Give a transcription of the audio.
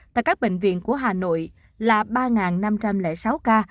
tại các bệnh viện của hà nội là ba năm trăm linh sáu ca